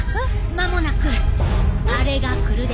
間もなくあれが来るで。